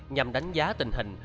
nhằm đánh giá tình hình